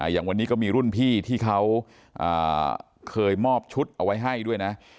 อย่างวันนี้ก็มีรุ่นพี่ที่เขาเคยมอบชุดเอาไว้ให้ด้วยนะ